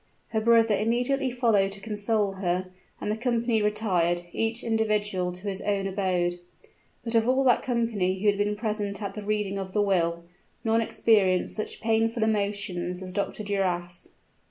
Her brother immediately followed to console her; and the company retired, each individual to his own abode. But of all that company who had been present at the reading of the will, none experienced such painful emotions as Dr. Duras.